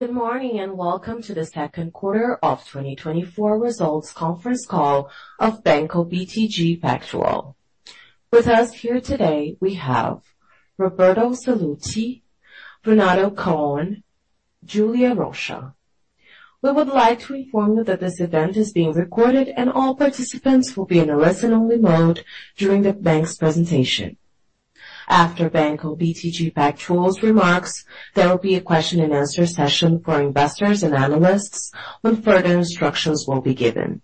Good morning, and welcome to the Second Quarter of 2024 Results Conference Call of Banco BTG Pactual. With us here today, we have Roberto Sallouti, Renato Cohn, Julia Rocha. We would like to inform you that this event is being recorded, and all participants will be in a listen-only mode during the bank's presentation. After Banco BTG Pactual's remarks, there will be a question and answer session for investors and analysts when further instructions will be given.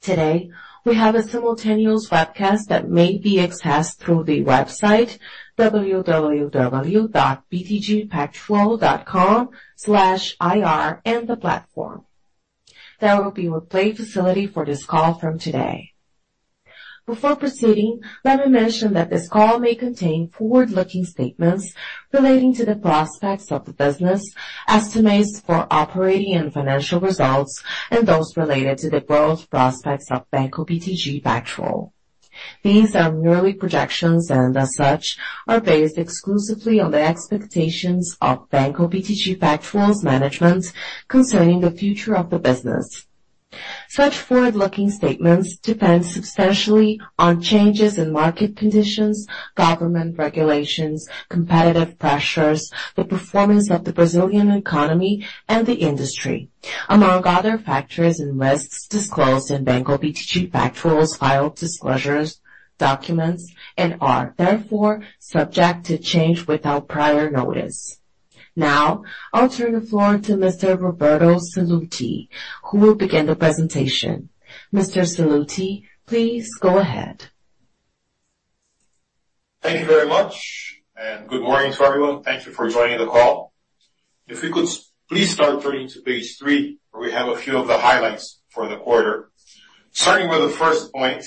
Today, we have a simultaneous webcast that may be accessed through the website www.btgpactual.com/ir and the platform. There will be replay facility for this call from today. Before proceeding, let me mention that this call may contain forward-looking statements relating to the prospects of the business, estimates for operating and financial results, and those related to the growth prospects of Banco BTG Pactual. These are merely projections, and as such, are based exclusively on the expectations of Banco BTG Pactual's management concerning the future of the business. Such forward-looking statements depend substantially on changes in market conditions, government regulations, competitive pressures, the performance of the Brazilian economy and the industry, among other factors and risks disclosed in Banco BTG Pactual's filed disclosures, documents, and are therefore subject to change without prior notice. Now, I'll turn the floor to Mr. Roberto Sallouti, who will begin the presentation. Mr. Sallouti, please go ahead. Thank you very much, and good morning to everyone. Thank you for joining the call. If we could please start turning to page 3, where we have a few of the highlights for the quarter. Starting with the first point,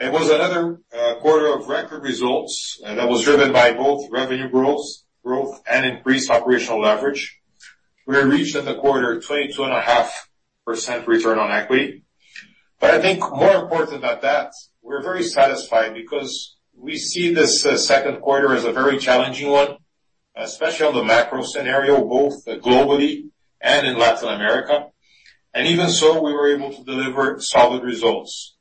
it was another quarter of record results that was driven by both revenue growth, growth and increased operational leverage. We are reached at the quarter 22.5% return on equity. But I think more important than that, we're very satisfied because we see this second quarter as a very challenging one, especially on the macro scenario, both globally and in Latin America, and even so, we were able to deliver solid results.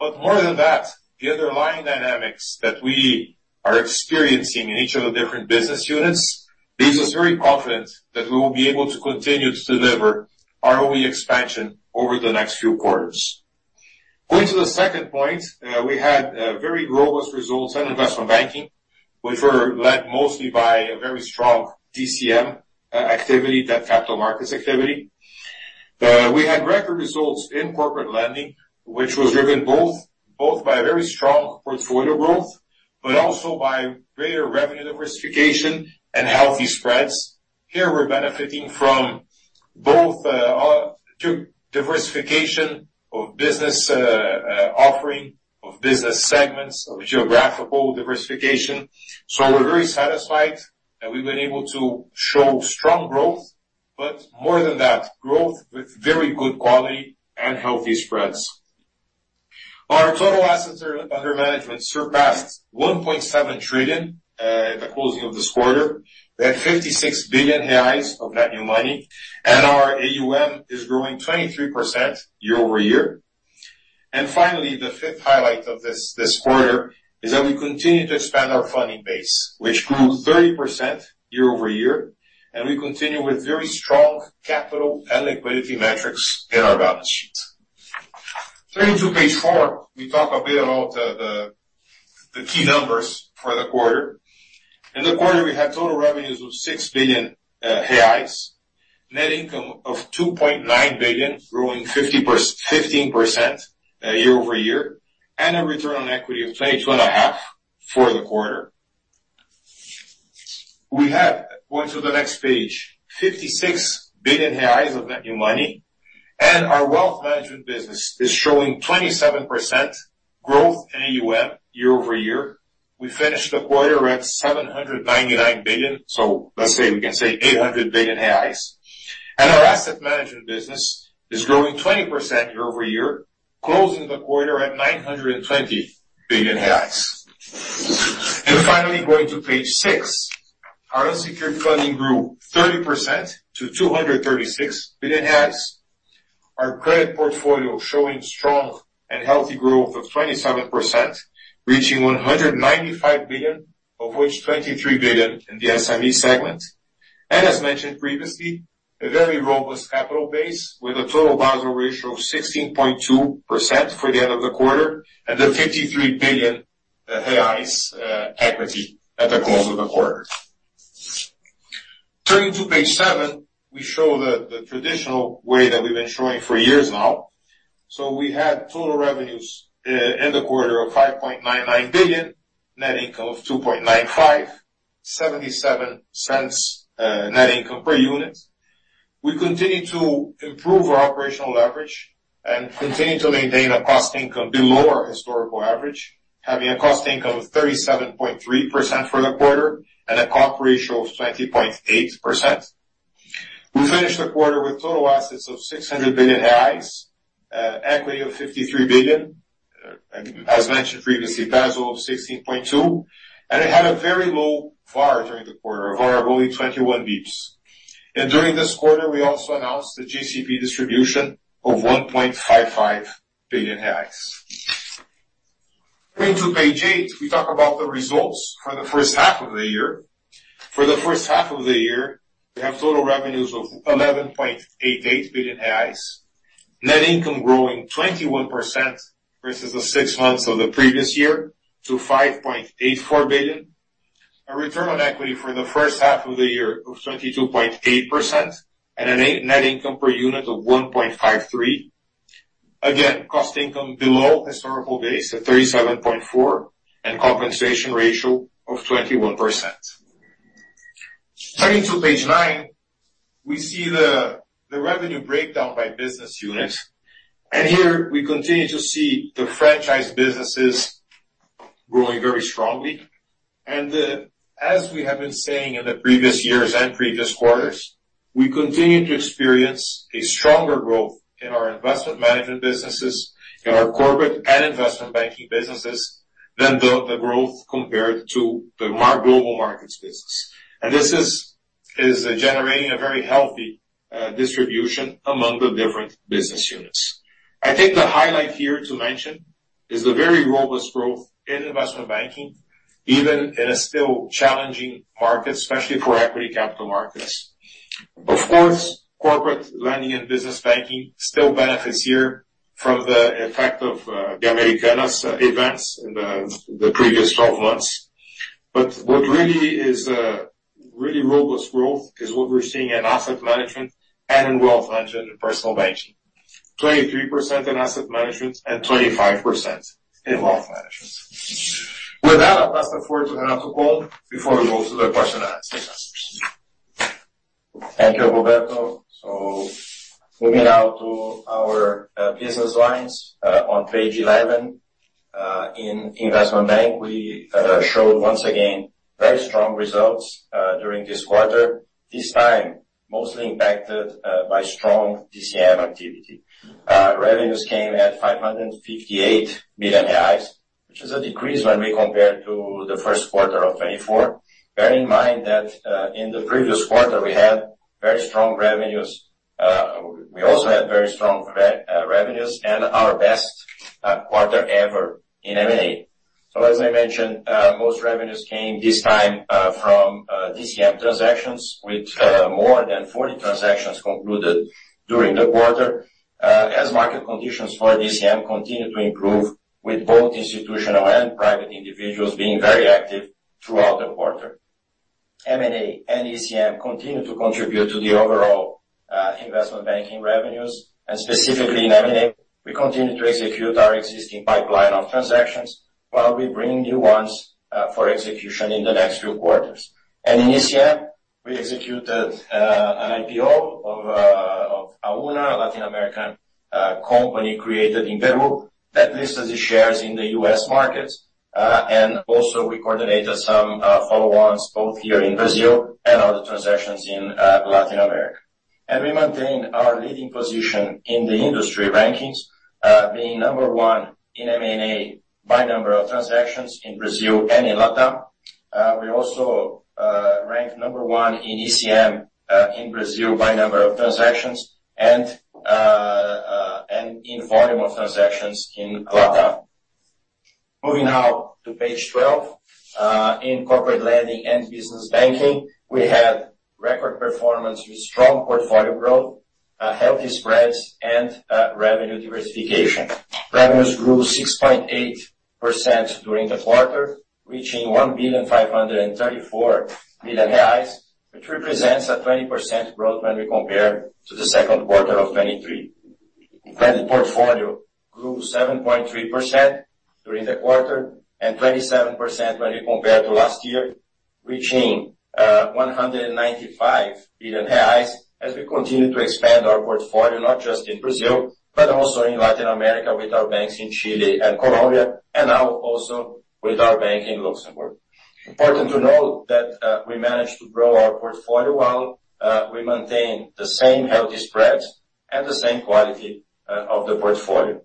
But more than that, the underlying dynamics that we are experiencing in each of the different business units leaves us very confident that we will be able to continue to deliver ROE expansion over the next few quarters. Going to the second point, we had very robust results in investment banking, which were led mostly by a very strong DCM activity, debt capital markets activity. We had record results in corporate lending, which was driven both, both by a very strong portfolio growth, but also by greater revenue diversification and healthy spreads. Here, we're benefiting from both, to diversification of business, offering, of business segments, of geographical diversification. So we're very satisfied that we've been able to show strong growth, but more than that, growth with very good quality and healthy spreads. Our total assets under management surpassed 1.7 trillion at the closing of this quarter. We had 56 billion reais of net new money, and our AUM is growing 23% year-over-year. Finally, the fifth highlight of this quarter is that we continue to expand our funding base, which grew 30% year-over-year, and we continue with very strong capital and liquidity metrics in our balance sheet. Turning to page four, we talk a bit about the key numbers for the quarter. In the quarter, we had total revenues of 6 billion reais, net income of 2.9 billion, growing 15% year-over-year, and a return on equity of 22.5% for the quarter. We have, going to the next page, 56 billion reais of net new money, and our Wealth Management business is showing 27% growth in AUM year-over-year. We finished the quarter at 799 billion, so let's say, we can say 800 billion reais. And our asset management business is growing 20% year-over-year, closing the quarter at 920 billion reais. And finally, going to page six, our unsecured funding grew 30% to 236 billion reais. Our credit portfolio showing strong and healthy growth of 27%, reaching 195 billion, of which 23 billion in the SME segment. As mentioned previously, a very robust capital base with a total Basel Ratio of 16.2% for the end of the quarter and 53 billion reais equity at the close of the quarter. Turning to page 7, we show the traditional way that we've been showing for years now. So we had total revenues in the quarter of 5.99 billion, net income of 2.95 billion, BRL 0.77 net income per unit. We continue to improve our operational leverage and continue to maintain a cost income below our historical average, having a cost income of 37.3% for the quarter and a cost ratio of 20.8%. We finished the quarter with total assets of 600 billion reais, equity of 53 billion... And as mentioned previously, Basel of 16.2, and it had a very low VaR during the quarter, a VaR of only 21 basis points. During this quarter, we also announced the JCP distribution of 1.55 billion reais. Turning to page 8, we talk about the results for the first half of the year. For the first half of the year, we have total revenues of 11.88 billion reais. Net income growing 21% versus the six months of the previous year to 5.84 billion. A return on equity for the first half of the year of 22.8% and a net, net income per unit of 1.53. Again, cost income below historical base at 37.4 and compensation ratio of 21%. Turning to page 9, we see the revenue breakdown by business unit, and here we continue to see the franchise businesses growing very strongly. And, as we have been saying in the previous years and previous quarters, we continue to experience a stronger growth in our investment management businesses, in our corporate and investment banking businesses than the growth compared to the global markets business. And this is generating a very healthy distribution among the different business units. I think the highlight here to mention is the very robust growth in investment banking, even in a still challenging market, especially for equity capital markets. Of course, corporate lending and business banking still benefits here from the effect of the Americanas events in the previous 12 months. But what really is really robust growth is what we're seeing in asset management and in Wealth Management and personal banking. 23% in asset management and 25% in Wealth Management. With that, I'll pass the floor to Renato Cohn before we go to the question and answer session. Thank you, Roberto. So moving now to our business lines on page 11. In investment bank, we showed once again very strong results during this quarter, this time mostly impacted by strong DCM activity. Revenues came at 558 million reais, which is a decrease when we compare to the first quarter of 2024. Bear in mind that in the previous quarter, we had very strong revenues. We also had very strong revenues and our best quarter ever in M&A. So, as I mentioned, most revenues came this time from DCM transactions, with more than 40 transactions concluded during the quarter. As market conditions for DCM continued to improve, with both institutional and private individuals being very active throughout the quarter. M&A and ECM continued to contribute to the overall investment banking revenues, and specifically in M&A, we continued to execute our existing pipeline of transactions while we bring new ones for execution in the next few quarters. And in ECM, we executed an IPO of Auna, a Latin American company created in Peru, that lists the shares in the US markets. And also we coordinated some follow-ons, both here in Brazil and other transactions in Latin America. And we maintained our leading position in the industry rankings, being number one in M&A by number of transactions in Brazil and in Latam. We also ranked number one in ECM in Brazil by number of transactions and in volume of transactions in Latam. Moving now to page 12, in corporate lending and business banking, we had record performance with strong portfolio growth, healthy spreads, and, revenue diversification. Revenues grew 6.8% during the quarter, reaching 1,534 million reais, which represents a 20% growth when we compare to the second quarter of 2023. Credit portfolio grew 7.3% during the quarter, and 27% when we compare to last year, reaching, one hundred and ninety-five billion reais as we continue to expand our portfolio, not just in Brazil, but also in Latin America with our banks in Chile and Colombia, and now also with our bank in Luxembourg. Important to note that, we managed to grow our portfolio while, we maintain the same healthy spreads and the same quality, of the portfolio.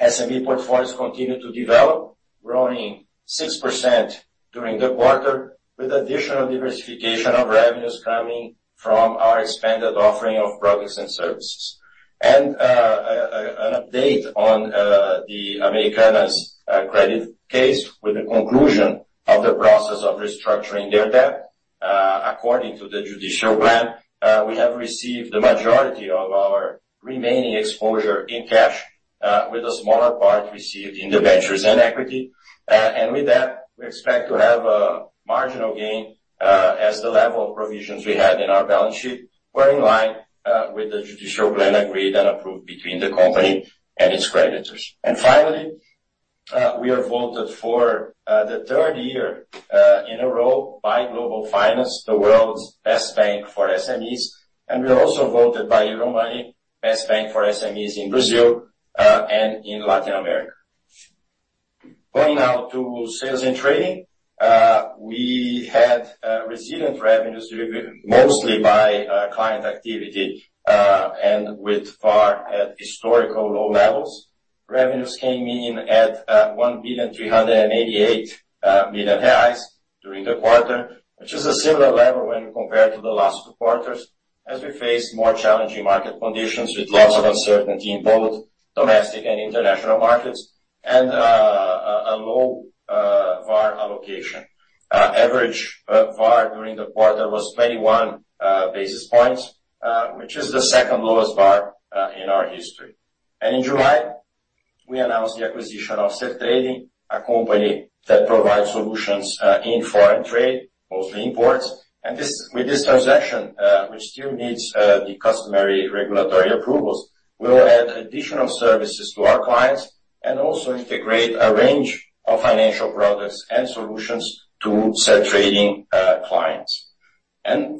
SME portfolios continued to develop, growing 6% during the quarter, with additional diversification of revenues coming from our expanded offering of products and services. An update on the Americanas credit case with the conclusion of the process of restructuring their debt. According to the judicial plan, we have received the majority of our remaining exposure in cash, with a smaller part received in the ventures and equity. And with that, we expect to have a marginal gain, as the level of provisions we had in our balance sheet were in line with the judicial plan agreed and approved between the company and its creditors. And finally, we are voted for the 3rd year in a row by Global Finance, the world's best bank for SMEs, and we are also voted by Euromoney, best bank for SMEs in Brazil and in Latin America. Going now to sales and trading, we had resilient revenues driven mostly by client activity and with VaR at historical low levels. Revenues came in at 1.388 billion during the quarter, which is a similar level when compared to the last two quarters, as we face more challenging market conditions with lots of uncertainty in both domestic and international markets, and a low VaR allocation. Average VaR during the quarter was 21 basis points, which is the second lowest VaR in our history. In July, we announced the acquisition of Sertrading, a company that provides solutions in foreign trade, mostly imports. With this transaction, which still needs the customary regulatory approvals, we will add additional services to our clients and also integrate a range of financial products and solutions to Sertrading clients.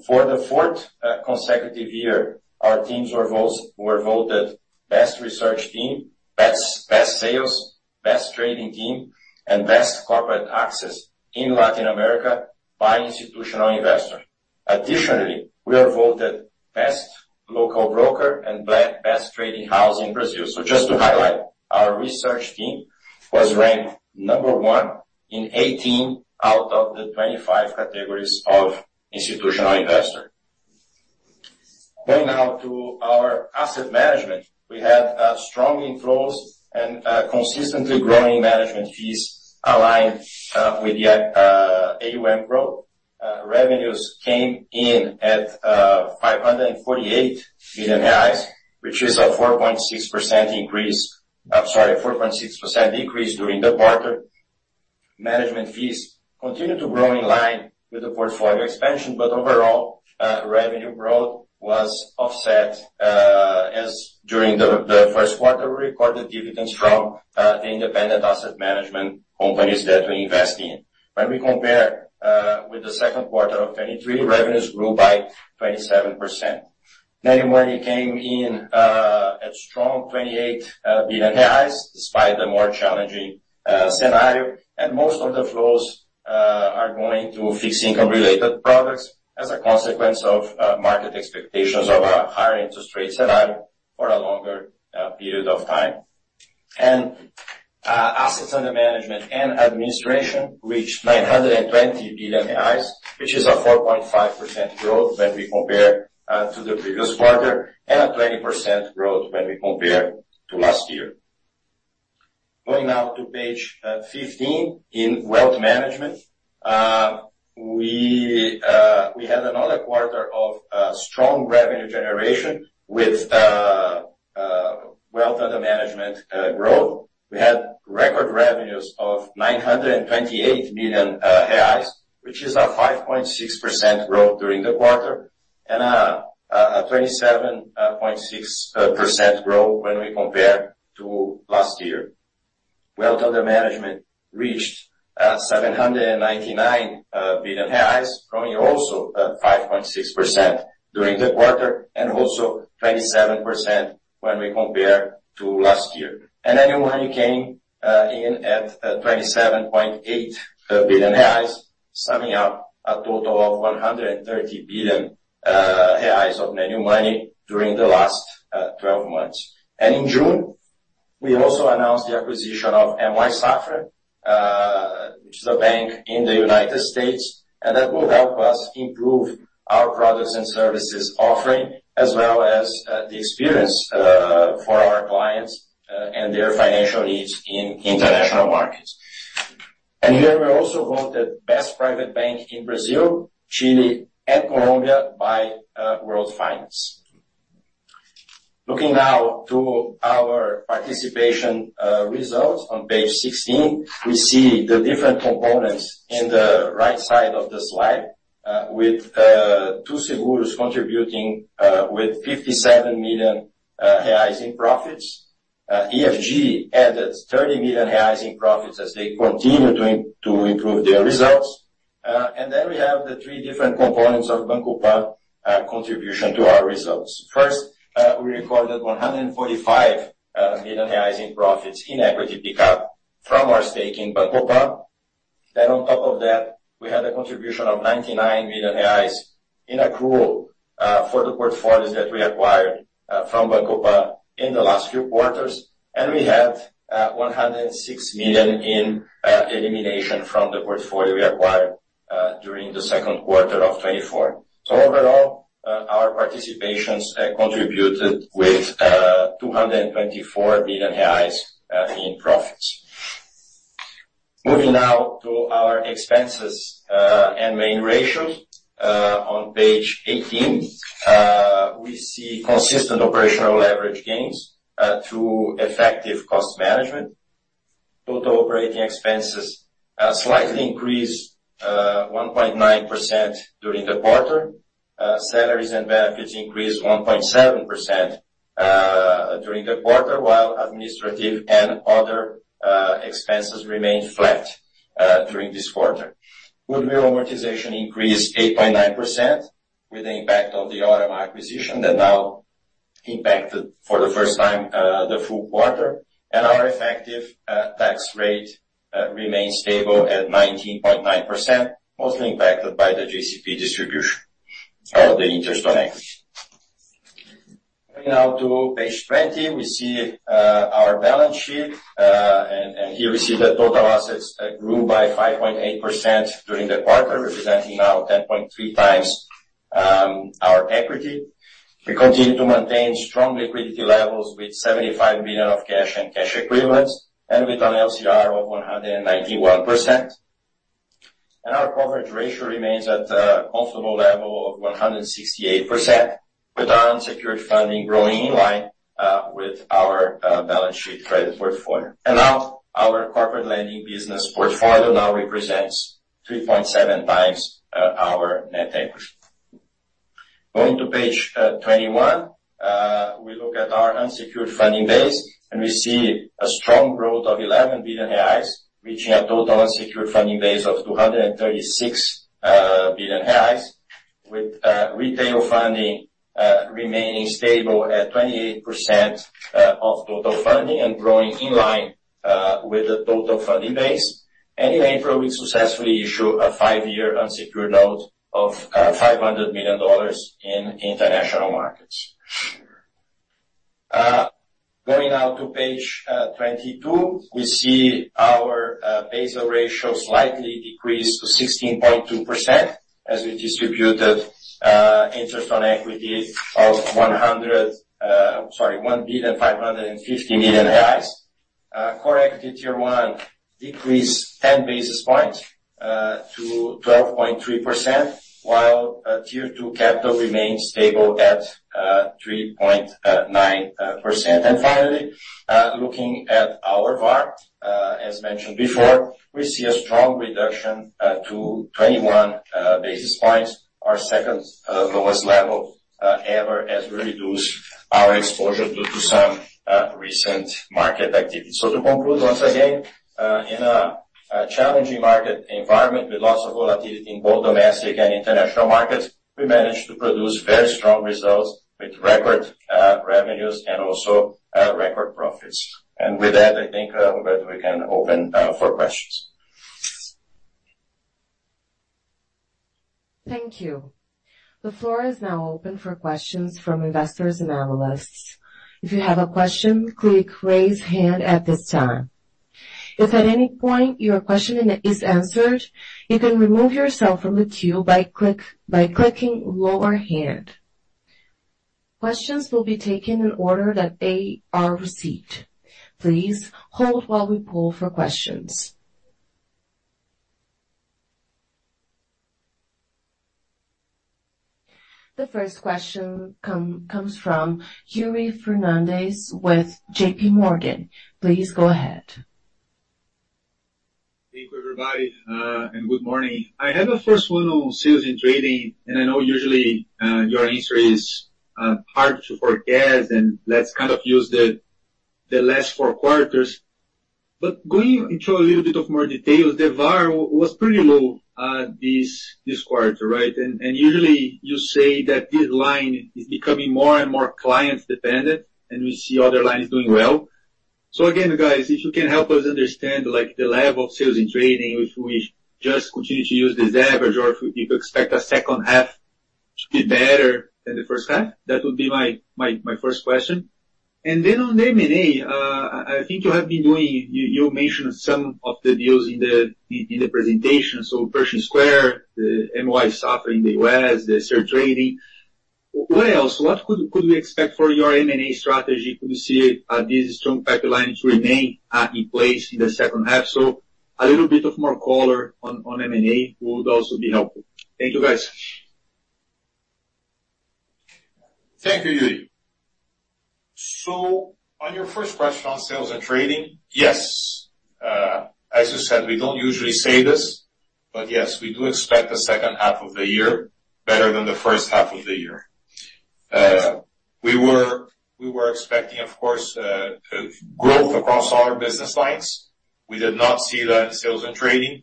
For the fourth consecutive year, our teams were voted best research team, best sales, best trading team, and best corporate access in Latin America by Institutional Investor. Additionally, we were voted best local broker and best trading house in Brazil. Just to highlight, our research team was ranked number 1 in 18 out of the 25 categories of Institutional Investor. Going now to our asset management, we had strong inflows and consistently growing management fees aligned with the AUM growth. Revenues came in at 548 million reais, which is a 4.6% increase, sorry, a 4.6% decrease during the quarter. Management fees continued to grow in line with the portfolio expansion, but overall, revenue growth was offset, as during the first quarter, we recorded dividends from the independent asset management companies that we invest in. When we compare with the second quarter of 2023, revenues grew by 27%. Net new money came in at strong 28 billion reais, despite the more challenging scenario. And most of the flows are going to fixed income-related products as a consequence of market expectations of a higher interest rate scenario for a longer period of time. Assets under management and administration reached 920 billion reais, which is a 4.5% growth when we compare to the previous quarter, and a 20% growth when we compare to last year. Going now to page 15, in Wealth Management. We had another quarter of strong revenue generation with wealth under management growth. We had record revenues of 928 million reais, which is a 5.6% growth during the quarter, and a 27.6% growth when we compare to last year. Wealth under management reached 799 billion reais, growing also 5.6% during the quarter, and also 27% when we compare to last year. Net new money came in at 27.8 billion reais, summing up a total of 130 billion reais of net new money during the last 12 months. In June, we also announced the acquisition of M.Y. Safra, which is a bank in the United States, and that will help us improve our products and services offering, as well as the experience for our clients and their financial needs in international markets. Here, we're also voted the best private bank in Brazil, Chile, and Colombia by World Finance. Looking now to our participation results on page 16, we see the different components in the right side of the slide with Too Seguros contributing with 57 million reais in profits. EFG added 30 million reais in profits as they continue to improve their results. And then we have the three different components of Banco Pan's contribution to our results. First, we recorded 145 million reais in profits in equity pickup from our stake in Banco Pan. Then on top of that, we had a contribution of 99 million reais in accrual for the portfolios that we acquired from Banco Pan in the last few quarters. And we had 106 million in elimination from the portfolio we acquired during the second quarter of 2024. So overall, our participations contributed with 224 million reais in profits. Moving now to our expenses and main ratios. On page 18, we see consistent operational leverage gains through effective cost management. Total operating expenses slightly increased 1.9% during the quarter. Salaries and benefits increased 1.7% during the quarter, while administrative and other expenses remained flat during this quarter. Goodwill amortization increased 8.9% with the impact of the Órama acquisition that now impacted for the first time the full quarter, and our effective tax rate remains stable at 19.9%, mostly impacted by the JCP distribution of the interest on equity. Going now to page 20, we see our balance sheet, and here we see that total assets grew by 5.8% during the quarter, representing now 10.3x our equity. We continue to maintain strong liquidity levels with 75 billion of cash and cash equivalents, and with an LCR of 191%. Our coverage ratio remains at a comfortable level of 168%, with our unsecured funding growing in line with our balance sheet credit portfolio. Our Corporate Lending business portfolio now represents 3.7 times our net equity. Going to page 21, we look at our unsecured funding base, and we see a strong growth of 11 billion reais, reaching a total unsecured funding base of 236 billion reais, with retail funding remaining stable at 28% of total funding and growing in line with the total funding base. In April, we successfully issued a 5-year unsecured note of $500 million in international markets. Going now to page 22, we see our Basel ratio slightly decreased to 16.2% as we distributed interest on equity of one hundred, sorry, 1.55 billion. Core equity Tier 1 decreased 10 basis points to 12.3%, while Tier 2 capital remains stable at 3.9%. Finally, looking at our VaR, as mentioned before, we see a strong reduction to 21 basis points, our second lowest level ever as we reduce our exposure due to some recent market activity. To conclude, once again, in a challenging market environment, with lots of volatility in both domestic and international markets, we managed to produce very strong results with record revenues and also record profits. With that, I think, Roberto, we can open for questions. Thank you. The floor is now open for questions from investors and analysts. If you have a question, click Raise Hand at this time. If at any point your question is answered, you can remove yourself from the queue by clicking Lower Hand. Questions will be taken in order that they are received. Please hold while we poll for questions. The first question comes from Yuri Fernandes with J.P. Morgan. Please go ahead. Thank you, everybody, and good morning. I have a first one on sales and trading, and I know usually your answer is hard to forecast, and let's kind of use the last four quarters. But going into a little bit of more details, the VaR was pretty low this quarter, right? And usually you say that this line is becoming more and more client-dependent, and we see other lines doing well. So again, guys, if you can help us understand, like, the level of sales and trading, if we just continue to use this average, or if you expect a second half to be better than the first half? That would be my first question. And then on the M&A, I think you have been doing, you mentioned some of the deals in the presentation, so Pershing Square, the M.Y. Safra in the U.S., the Sertrading. What else? What could we expect for your M&A strategy? Could you see this strong pipeline to remain in place in the second half? So a little bit more color on M&A would also be helpful. Thank you, guys. Thank you, Yuri. So on your first question on Sales and Trading, yes, as you said, we don't usually say this, but yes, we do expect the second half of the year better than the first half of the year. We were expecting, of course, growth across all our business lines. We did not see that in Sales and Trading.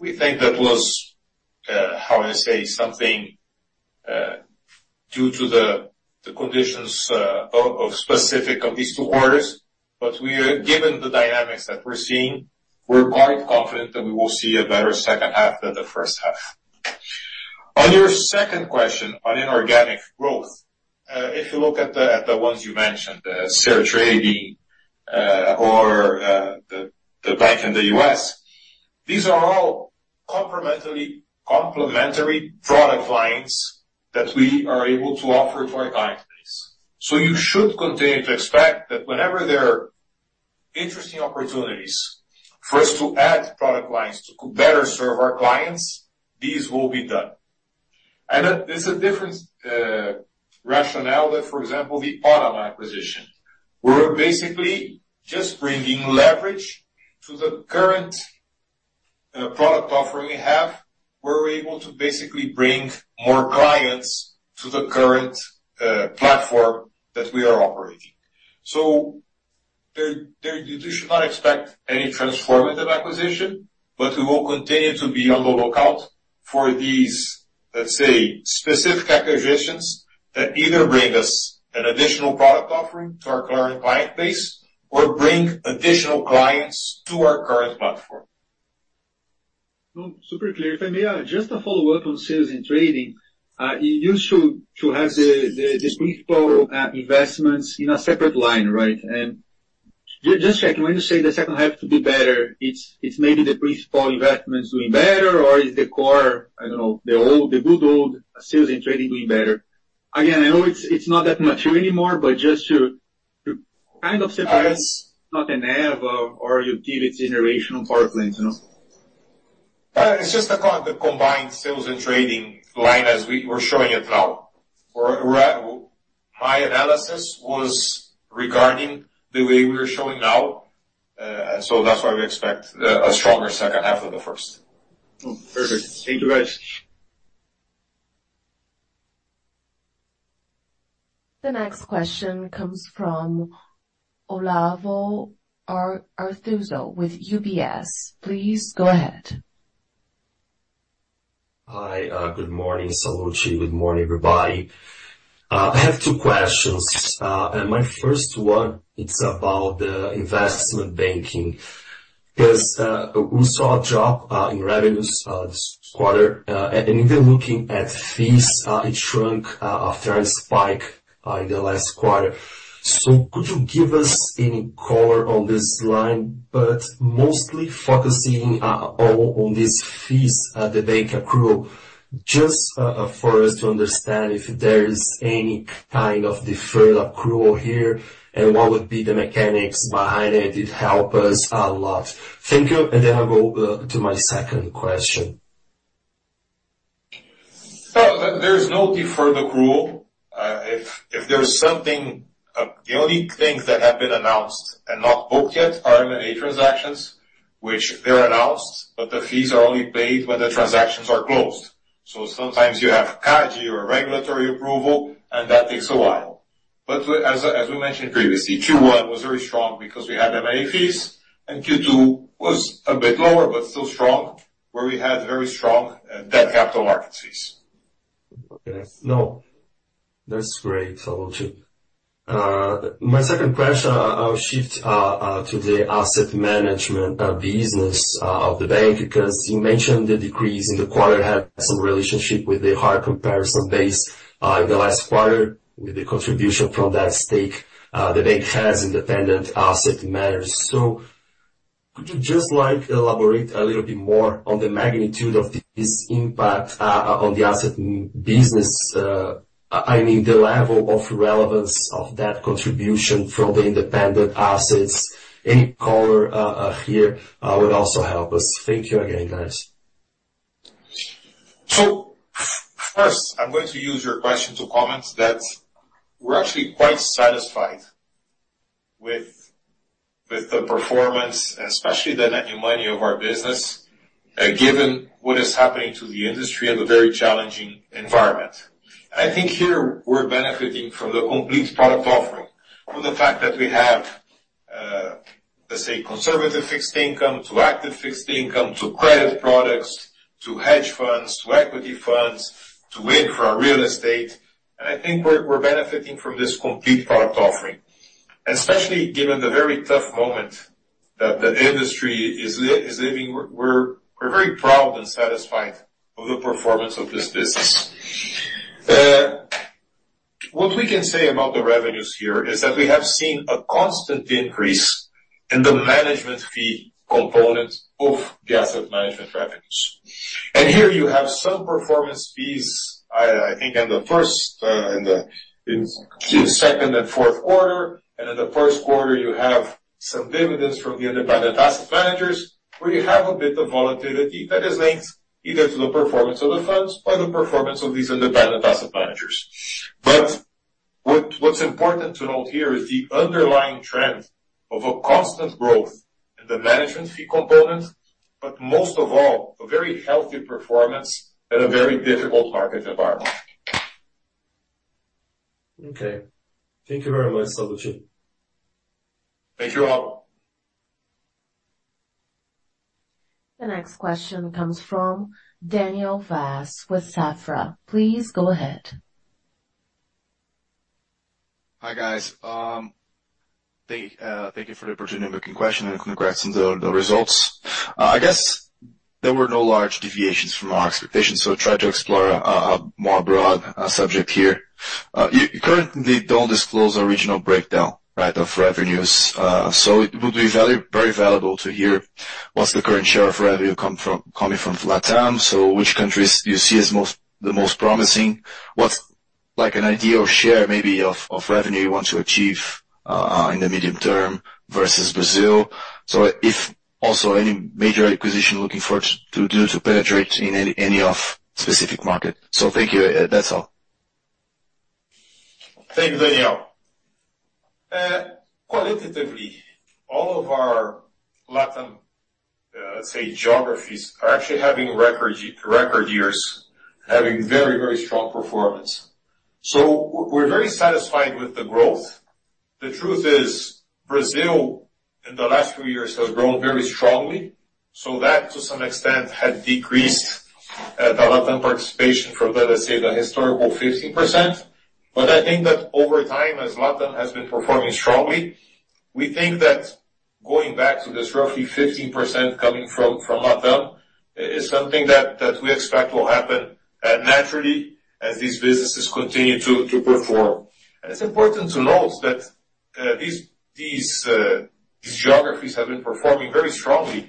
We think that was, how I say, something due to the conditions specific to these two quarters, but we are given the dynamics that we're seeing, we're quite confident that we will see a better second half than the first half. On your second question on inorganic growth, if you look at the ones you mentioned, Sertrading, or the bank in the US, these are all complementary product lines that we are able to offer to our client base. So you should continue to expect that whenever there are interesting opportunities for us to add product lines to better serve our clients, these will be done. And then there's a different rationale that, for example, the Órama acquisition. We're basically just bringing leverage to the current product offering we have, where we're able to basically bring more clients to the current platform that we are operating. So There, you should not expect any transformative acquisition, but we will continue to be on the lookout for these, let's say, specific acquisitions that either bring us an additional product offering to our current client base or bring additional clients to our current platform. No, super clear. If I may, just to follow up on sales and trading, you used to have the principal investments in a separate line, right? And just checking, when you say the second half to be better, it's maybe the principal investments doing better, or is the core, I don't know, the old, the good old sales and trading doing better? Again, I know it's not that mature anymore, but just to kind of separate, not an ave or utility generation on power plant, you know? It's just the combined sales and trading line as we're showing it now. For my analysis was regarding the way we are showing now, so that's why we expect a stronger second half of the first. Perfect. Thank you, guys. The next question comes from Olavo Arthuzo with UBS. Please go ahead. Hi, good morning, Sallouti. Good morning, everybody. I have two questions. My first one, it's about the investment banking, because, we saw a drop, in revenues, this quarter, and even looking at fees, it shrunk, after a spike, in the last quarter. So could you give us any color on this line, but mostly focusing, on, on these fees, the bank accrue, just, for us to understand if there is any kind of deferred accrual here, and what would be the mechanics behind it? It help us a lot. Thank you, and then I'll go, to my second question. Well, there, there's no deferred accrual. If there's something. The only things that have been announced and not booked yet are M&A transactions, which they're announced, but the fees are only paid when the transactions are closed. So sometimes you have CADE or regulatory approval, and that takes a while. But as we mentioned previously, Q1 was very strong because we had M&A fees, and Q2 was a bit lower, but still strong, where we had very strong debt capital market fees. Okay. No, that's great, Sallouti. My second question, I'll shift to the asset management business of the bank, because you mentioned the decrease in the quarter had some relationship with the hard comparison base in the last quarter, with the contribution from that stake the bank has independent asset managers. So would you just like elaborate a little bit more on the magnitude of this impact on the asset business? I mean, the level of relevance of that contribution from the independent assets. Any color here would also help us. Thank you again, guys. First, I'm going to use your question to comment that we're actually quite satisfied with the performance, especially the net new money of our business, given what is happening to the industry and the very challenging environment. I think here, we're benefiting from the complete product offering, from the fact that we have, let's say, conservative fixed income to active fixed income, to credit products, to hedge funds, to equity funds, to wealth or our real estate. I think we're benefiting from this complete product offering, especially given the very tough moment that the industry is living. We're very proud and satisfied of the performance of this business. What we can say about the revenues here is that we have seen a constant increase in the management fee component of the asset management revenues. And here you have some performance fees, I think in the first, in the, in second and fourth quarter, and in the first quarter, you have some dividends from the independent asset managers, where you have a bit of volatility that is linked either to the performance of the funds or the performance of these independent asset managers. But what, what's important to note here is the underlying trend of a constant growth in the management fee component, but most of all, a very healthy performance and a very difficult market environment. Okay. Thank you very much, Sallouti. Thank you, Olavo. The next question comes from Daniel Vaz with Safra. Please go ahead. Hi, guys. Thank you for the opportunity to question and congrats on the results. I guess there were no large deviations from our expectations, so try to explore a more broad subject here. You currently don't disclose original breakdown, right, of revenues. So it would be very, very valuable to hear what's the current share of revenue coming from Latam. So which countries do you see as the most promising? What's like an ideal share, maybe, of revenue you want to achieve in the medium term versus Brazil? So if also any major acquisition looking forward to do to penetrate in any of specific market. So thank you. That's all. Thank you, Daniel. Qualitatively, all of our Latam, let's say, geographies are actually having record years, having very, very strong performance. So we're very satisfied with the growth. The truth is, Brazil, in the last few years, has grown very strongly, so that, to some extent, had decreased the Latin participation from, let us say, the historical 15%. But I think that over time, as Latin has been performing strongly, we think that going back to this roughly 15% coming from, from Latin is something that, that we expect will happen naturally as these businesses continue to, to perform. And it's important to note that these, these geographies have been performing very strongly,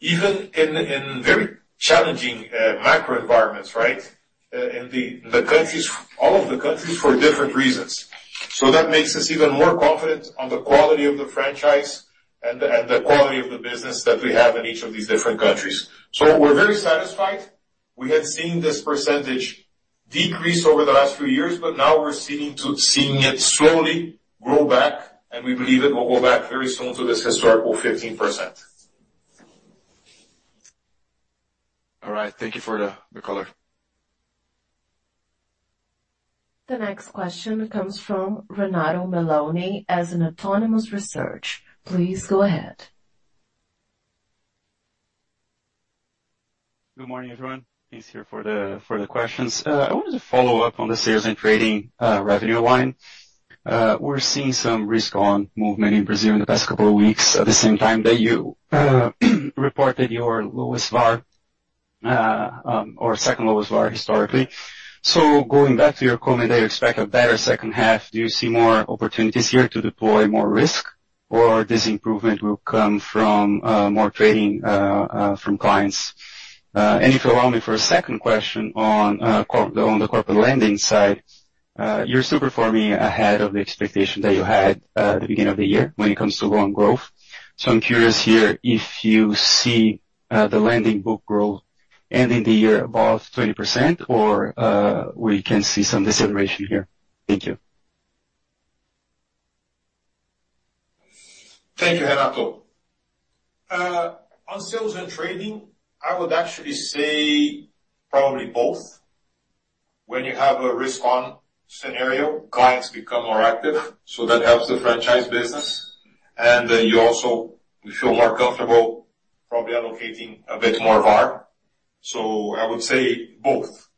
even in very challenging macro environments, right? And the, the countries, all of the countries, for different reasons. So that makes us even more confident on the quality of the franchise and the, and the quality of the business that we have in each of these different countries. So we're very satisfied. We had seen this percentage decrease over the last few years, but now we're seeing it slowly grow back, and we believe it will go back very soon to this historical 15%. All right. Thank you for the, the color. The next question comes from Renato Meloni at Autonomous Research. Please go ahead. Good morning, everyone. Thanks here for the questions. I wanted to follow up on the sales and trading revenue line. We're seeing some risk on movement in Brazil in the past couple of weeks, at the same time that you reported your lowest VAR or second lowest VAR, historically. So going back to your comment that you expect a better second half, do you see more opportunities here to deploy more risk, or this improvement will come from more trading from clients? And if you allow me for a second question on the corporate lending side, you're still performing ahead of the expectation that you had at the beginning of the year when it comes to loan growth. So I'm curious here if you see, the lending book growth ending the year above 20%, or, we can see some deceleration here. Thank you. Thank you, Renato. On Sales and Trading, I would actually say probably both. When you have a risk-on scenario, clients become more active, so that helps the franchise business, and then you also feel more comfortable probably allocating a bit more VAR. So I would say both.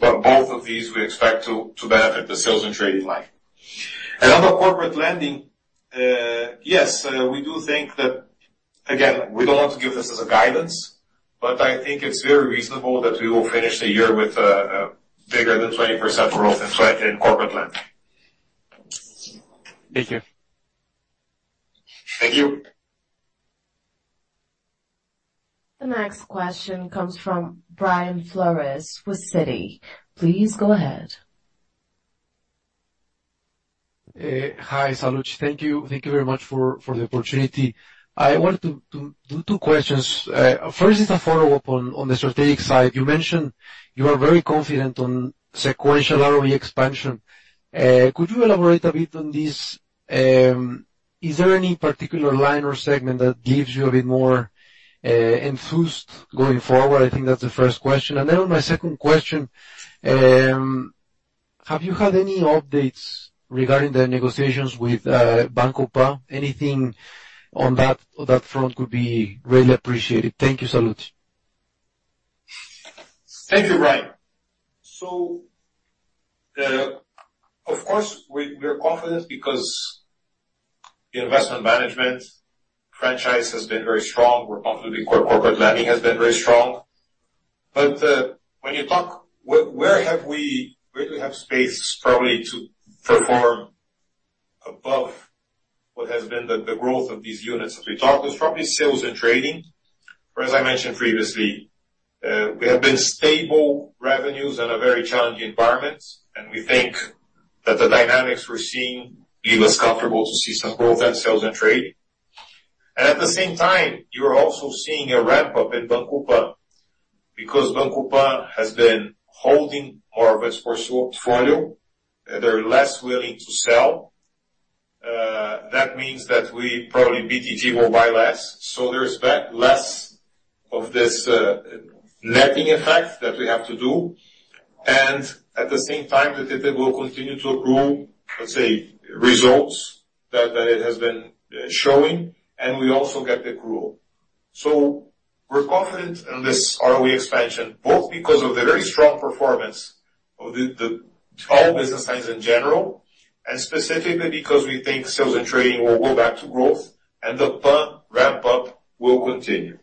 But both of these, we expect to benefit the Sales and Trading line. And on the Corporate Lending, yes, we do think that, again, we don't want to give this as a guidance, but I think it's very reasonable that we will finish the year with a bigger than 20% growth in Corporate Lending. Thank you. Thank you. The next question comes from Brian Flores with Citi. Please go ahead. Hi, Sallouti. Thank you. Thank you very much for, for the opportunity. I wanted to, to do two questions. First is a follow-up on, on the strategic side. You mentioned you are very confident on sequential ROE expansion. Could you elaborate a bit on this? Is there any particular line or segment that gives you a bit more enthused going forward? I think that's the first question. And then on my second question, have you had any updates regarding the negotiations with Banco Pan? Anything on that front would be really appreciated. Thank you, Sallouti. Thank you, Brian. So, of course, we are confident because the investment management franchise has been very strong. We're confident the corporate lending has been very strong. But, when you talk, where do we have space probably to perform above what has been the growth of these units as we talk? There's probably sales and trading, where, as I mentioned previously, we have been stable revenues in a very challenging environment, and we think that the dynamics we're seeing leave us comfortable to see some growth in sales and trade. And at the same time, you're also seeing a ramp-up in Banco Pan, because Banco Pan has been holding more of its portfolio, they're less willing to sell. That means that we probably, BTG will buy less, so there's less of this netting effect that we have to do. And at the same time, that it will continue to accrue, let's say, results that it has been showing, and we also get the accrual. So we're confident in this ROE expansion, both because of the very strong performance of all business lines in general, and specifically because we think sales and trading will go back to growth and the Pan ramp-up will continue.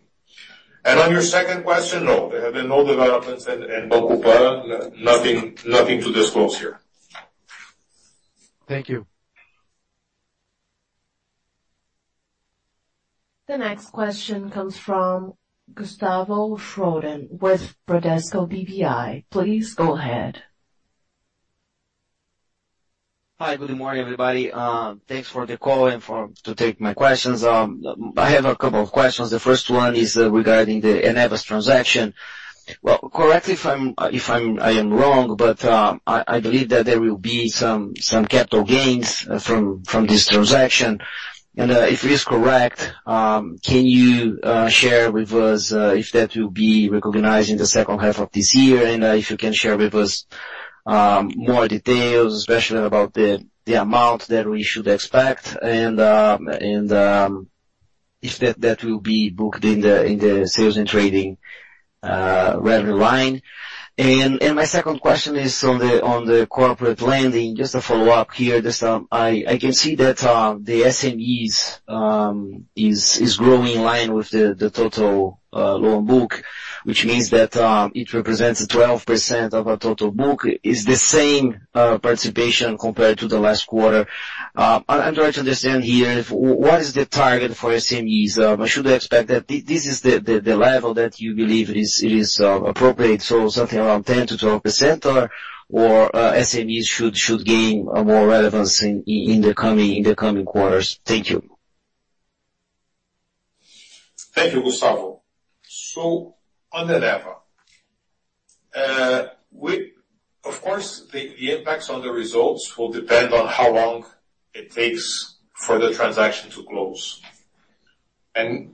And on your second question, no, there have been no developments in Banco Pan. Nothing, nothing to disclose here. Thank you. The next question comes from Gustavo Schroden with Bradesco BBI. Please go ahead. Hi, good morning, everybody. Thanks for the call and to take my questions. I have a couple of questions. The first one is regarding the Eneva transaction. Well, correct me if I'm wrong, but I believe that there will be some capital gains from this transaction. And if it is correct, can you share with us if that will be recognized in the second half of this year? And if you can share with us more details, especially about the amount that we should expect, and if that will be booked in the Sales and Trading revenue line. And my second question is on the Corporate Lending, just a follow-up here. Just, I can see that the SMEs is growing in line with the total loan book, which means that it represents 12% of our total book. It's the same participation compared to the last quarter. I'm trying to understand here, if what is the target for SMEs? Should I expect that this is the level that you believe it is appropriate, so something around 10%-12%, or SMEs should gain more relevance in the coming quarters? Thank you. Thank you, Gustavo. So on Eneva, we of course, the impacts on the results will depend on how long it takes for the transaction to close. And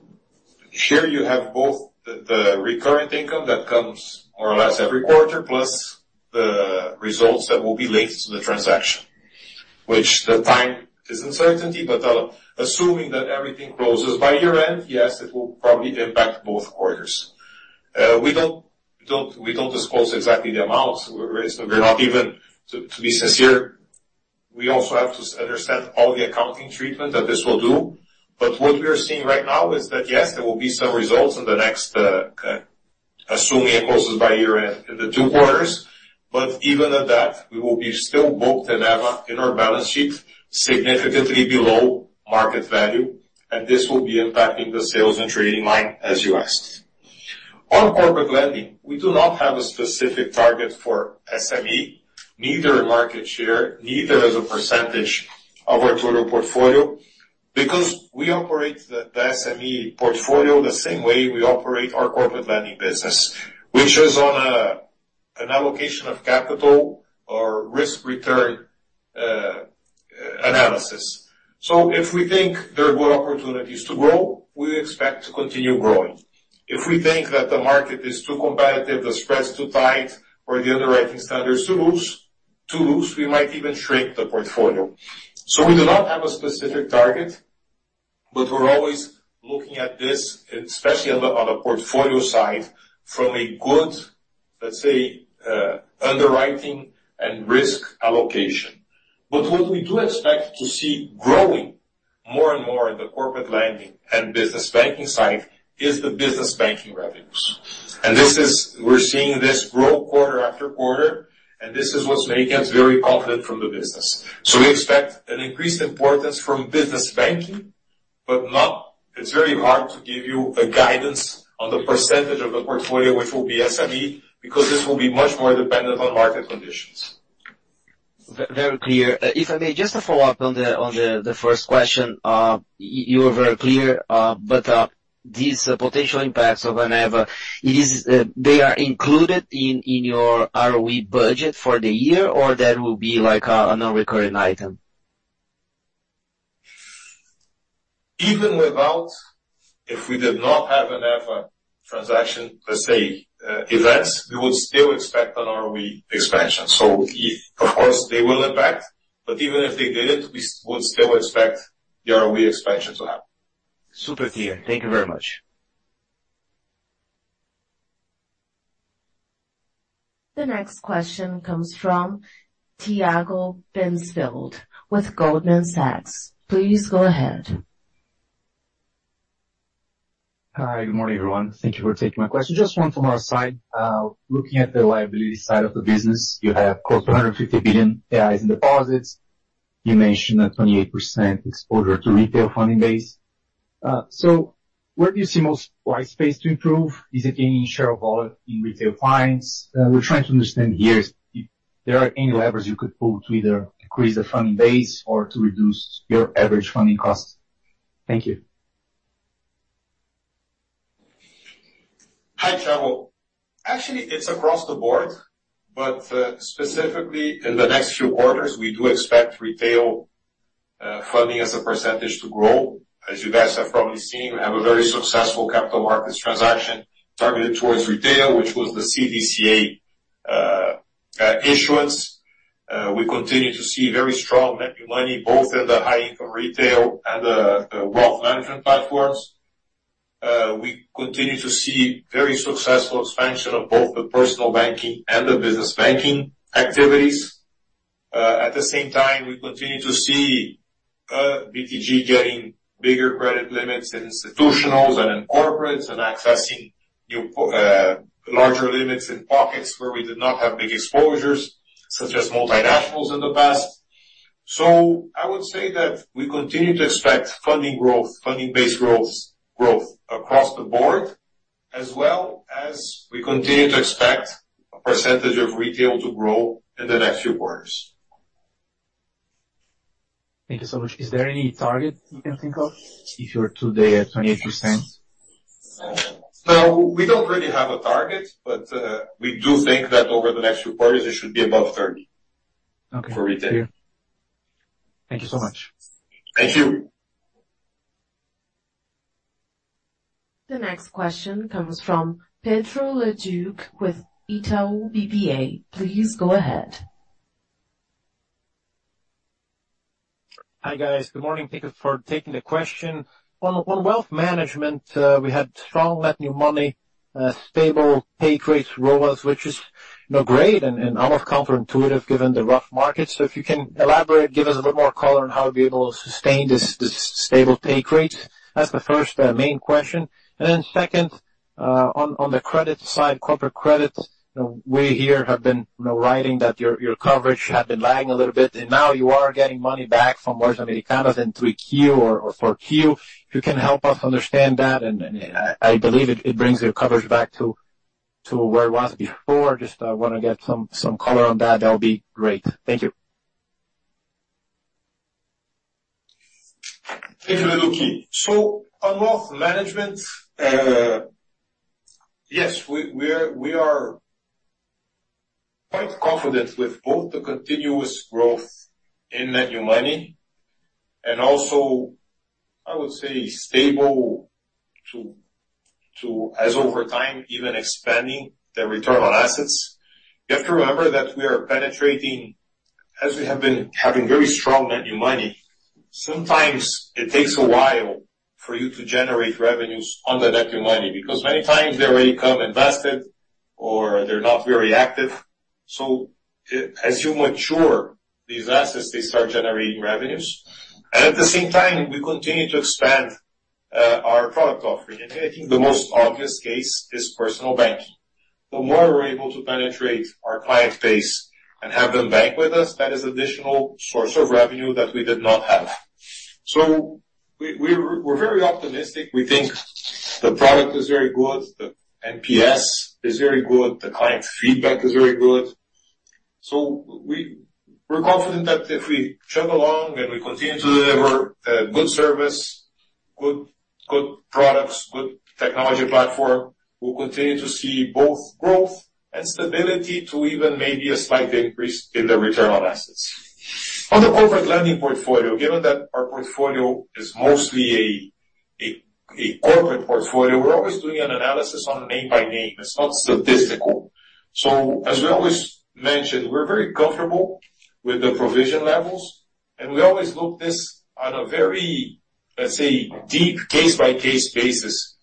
here you have both the recurrent income that comes more or less every quarter, plus the results that will be linked to the transaction, which the time is uncertainty. But, assuming that everything closes by year-end, yes, it will probably impact both quarters. We don't disclose exactly the amounts. We're not even, to be sincere, we also have to understand all the accounting treatment that this will do. But what we are seeing right now is that, yes, there will be some results in the next, assuming it closes by year-end, in the two quarters, but even at that, we will be still book Eneva in our balance sheet, significantly below market value, and this will be impacting the sales and trading line, as you asked. On corporate lending, we do not have a specific target for SME, neither market share, neither as a percentage of our total portfolio, because we operate the SME portfolio the same way we operate our corporate lending business, which is on a, an allocation of capital or risk-return, analysis. So if we think there are good opportunities to grow, we expect to continue growing. If we think that the market is too competitive, the spread is too tight or the underwriting standards too loose, too loose, we might even shrink the portfolio. So we do not have a specific target, but we're always looking at this, especially on the portfolio side, from a good, let's say, underwriting and risk allocation. But what we do expect to see growing more and more in the corporate lending and business banking side is the business banking revenues. And this is. We're seeing this grow quarter after quarter, and this is what's making us very confident from the business. So we expect an increased importance from business banking, but not. It's very hard to give you a guidance on the percentage of the portfolio, which will be SME, because this will be much more dependent on market conditions. Very clear. If I may, just to follow up on the first question, you were very clear, but these potential impacts of Eneva, it is, they are included in your ROE budget for the year, or that will be, like, a non-recurring item? Even without, if we did not have an Eneva transaction, let's say, events, we would still expect an ROE expansion. So if, of course, they will impact, but even if they didn't, we would still expect the ROE expansion to happen. Super clear. Thank you very much. The next question comes from Tiago Binsfeld with Goldman Sachs. Please go ahead. Hi, good morning, everyone. Thank you for taking my question. Just one from our side. Looking at the liability side of the business, you have close to 150 billion reais in deposits. You mentioned a 28% exposure to retail funding base. So where do you see most wide space to improve? Is it in share of wallet in retail clients? We're trying to understand here if there are any levers you could pull to either decrease the funding base or to reduce your average funding cost. Thank you. Hi, Tiago. Actually, it's across the board, but specifically in the next few quarters, we do expect retail funding as a percentage to grow. As you guys have probably seen, we have a very successful capital markets transaction targeted towards retail, which was the CDCA issuance. We continue to see very strong net new money, both in the high income retail and the Wealth Management platforms. We continue to see very successful expansion of both the personal banking and the business banking activities. At the same time, we continue to see BTG getting bigger credit limits in institutionals and in corporates, and accessing new larger limits in pockets where we did not have big exposures, such as multinationals in the past. So I would say that we continue to expect funding growth, funding base growth, growth across the board, as well as we continue to expect a percentage of retail to grow in the next few quarters. Thank you so much. Is there any target you can think of if you're today at 28%? No, we don't really have a target, but we do think that over the next few quarters, it should be above 30 Okay. For retail. Thank you. Thank you so much. Thank you. The next question comes from Pedro Leduc with Itaú BBA. Please go ahead. Hi, guys. Good morning. Thank you for taking the question. On, on Wealth Management, we had strong net new money, stable pay rates growth, which is, you know, great and, and almost counterintuitive given the rough market. So if you can elaborate, give us a little more color on how to be able to sustain this, this stable pay rates. That's the first, main question. And then second, on, on the credit side, corporate credit, you know, we here have been, you know, writing that your, your coverage had been lagging a little bit, and now you are getting money back from Americanas in 3Q or, or 4Q. If you can help us understand that, and, and I, I believe it, it brings your coverage back to, to where it was before. Just, want to get some, some color on that. That'll be great. Thank you. Thank you, Leduc. So on Wealth Management, yes, we are quite confident with both the continuous growth in net new money and also, I would say, stable to as over time, even expanding the return on assets. You have to remember that we are penetrating as we have been having very strong net new money. Sometimes it takes a while for you to generate revenues on the net new money, because many times they already come invested or they're not very active. So as you mature these assets, they start generating revenues, and at the same time, we continue to expand our product offering. And I think the most obvious case is personal banking. The more we're able to penetrate our client base and have them bank with us, that is additional source of revenue that we did not have. So we're very optimistic. We think the product is very good, the NPS is very good, the client feedback is very good. So we're confident that if we travel along and we continue to deliver good service, good, good products, good technology platform, we'll continue to see both growth and stability to even maybe a slight increase in the return on assets. On the corporate lending portfolio, given that our portfolio is mostly a corporate portfolio, we're always doing an analysis on a name by name. It's not statistical. So as we always mention, we're very comfortable with the provision levels, and we always look this on a very, let's say, deep case-by-case basis.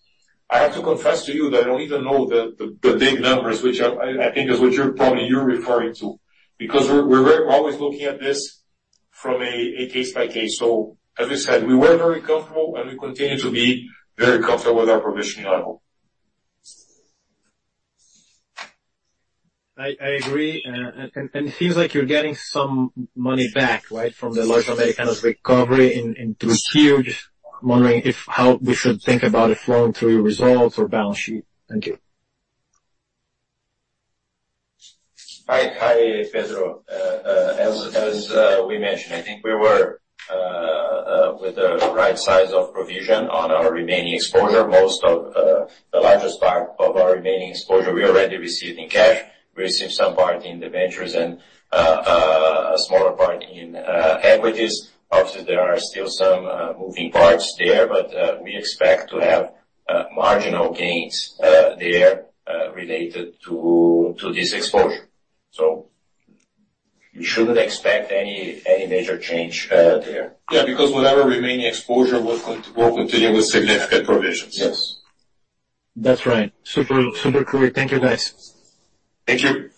I have to confess to you that I don't even know the big numbers, which I think is what you're probably referring to, because we're very always looking at this from a case by case. So as I said, we were very comfortable, and we continue to be very comfortable with our provisioning level. I agree, and it seems like you're getting some money back, right, from the Americanas recovery. I'm wondering how we should think about it flowing through your results or balance sheet. Thank you. Hi, Pedro. As we mentioned, I think we were with the right size of provision on our remaining exposure. Most of the largest part of our remaining exposure, we already received in cash. We received some part in the ventures and a smaller part in equities. Obviously, there are still some moving parts there, but we expect to have marginal gains there related to this exposure. So you shouldn't expect any major change there. Yeah, because whatever remaining exposure, we're going we'll continue with significant provisions. Yes. That's right. Super, super clear. Thank you, guys. Thank you.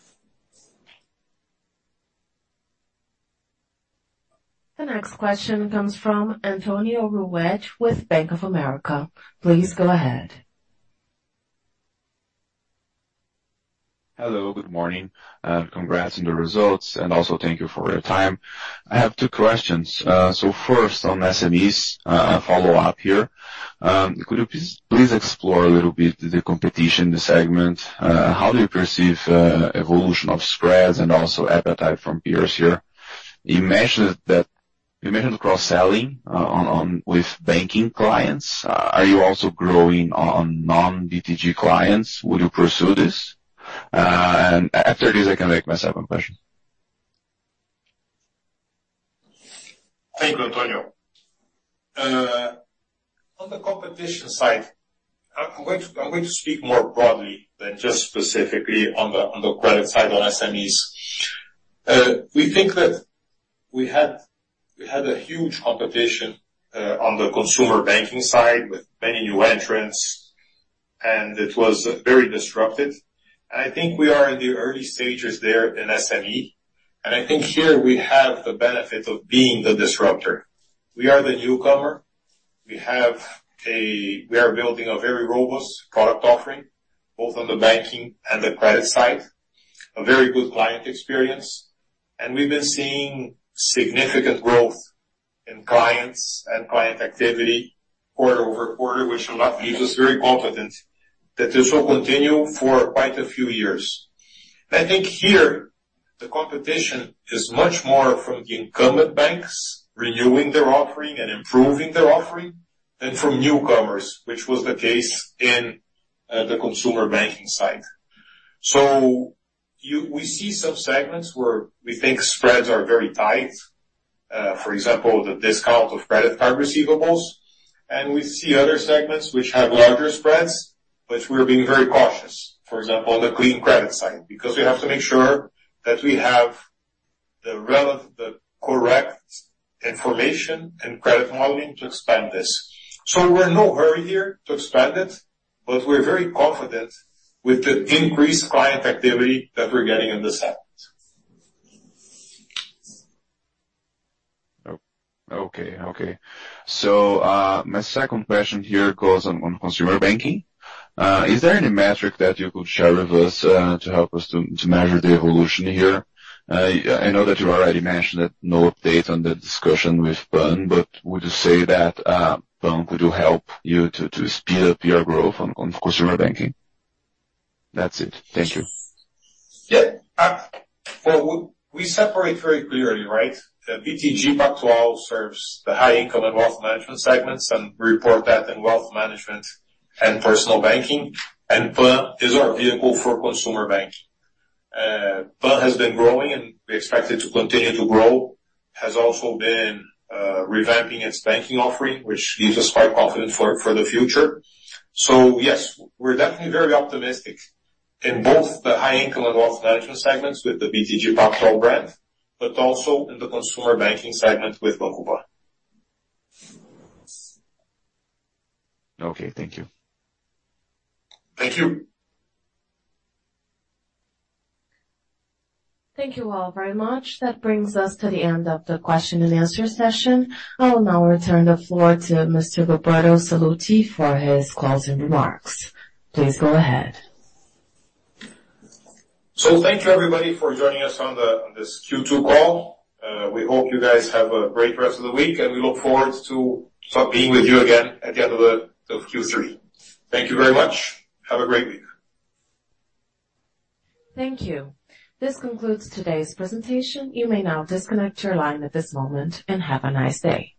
The next question comes from Antonio Ruette with Bank of America. Please go ahead. Hello, good morning. Congrats on the results, and also thank you for your time. I have two questions. So first on SMEs, a follow-up here. Could you please, please explore a little bit the competition, the segment? How do you perceive evolution of spreads and also appetite from peers here? You mentioned that, you mentioned cross-selling on with banking clients. Are you also growing on non-BTG clients? Will you pursue this? And after this, I can make my second question. Thank you, Antonio. On the competition side, I'm going to speak more broadly than just specifically on the, on the credit side, on SMEs. We think that we had a huge competition on the consumer banking side with many new entrants, and it was very disruptive. I think we are in the early stages there in SME, and I think here we have the benefit of being the disruptor. We are the newcomer. We have a-- We are building a very robust product offering, both on the banking and the credit side, a very good client experience, and we've been seeing significant growth in clients and client activity quarter over quarter, which leaves us very confident that this will continue for quite a few years. I think here, the competition is much more from the incumbent banks renewing their offering and improving their offering than from newcomers, which was the case in the consumer banking side. So we see some segments where we think spreads are very tight. For example, the discount of credit card receivables, and we see other segments which have larger spreads, but we're being very cautious, for example, on the clean credit side, because we have to make sure that we have the correct information and credit modeling to expand this. So we're in no hurry here to expand it, but we're very confident with the increased client activity that we're getting in the segment. Oh, okay. Okay. So, my second question here goes on consumer banking. Is there any metric that you could share with us to help us to measure the evolution here? I know that you already mentioned that no update on the discussion with PAN, but would you say that PAN could help you to speed up your growth on consumer banking? That's it. Thank you. Yeah. Well, we separate very clearly, right? The BTG Pactual serves the high income and Wealth Management segments, and we report that in Wealth Management and personal banking, and PAN is our vehicle for consumer banking. PAN has been growing, and we expect it to continue to grow, has also been revamping its banking offering, which leaves us quite confident for the future. So yes, we're definitely very optimistic in both the high income and Wealth Management segments with the BTG Pactual brand, but also in the consumer banking segment with Pan. Okay, thank you. Thank you. Thank you all very much. That brings us to the end of the question and answer session. I will now return the floor to Mr. Roberto Sallouti for his closing remarks. Please go ahead. So thank you, everybody, for joining us on this Q2 call. We hope you guys have a great rest of the week, and we look forward to being with you again at the end of Q3. Thank you very much. Have a great week. Thank you. This concludes today's presentation. You may now disconnect your line at this moment, and have a nice day.